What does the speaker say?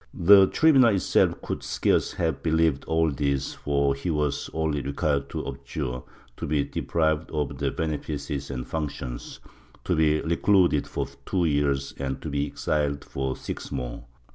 The tribunal itself could scarce have believed all this, for he was only required to abjure, to be deprived of benefice and functions, to be recluded for two years and be exiled for six more.